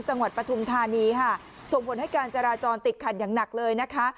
ปฐุมธานีค่ะส่งผลให้การจราจรติดขัดอย่างหนักเลยนะคะ